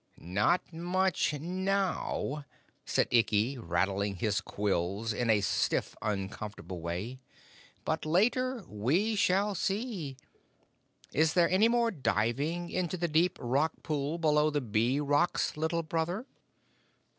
"Not much now," said Ikki, rattling his quills in a stiff, uncomfortable way, "but later we shall see. Is there any more diving into the deep rock pool below the Bee Rocks, Little Brother?"